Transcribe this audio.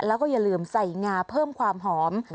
แล้วก็อย่าลืมใส่งาเพิ่มความหอม